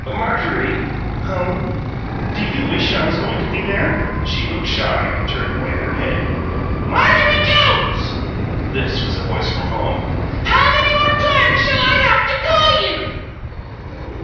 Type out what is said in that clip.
"Marjorie " "Hum?" "Do you wish I was goin' to be there?" She looked shy, and turned away her head. "MARJORIE JONES!" (This was a voice from home.) "HOW MANY MORE TIMES SHALL I HAVE TO CALL YOU?"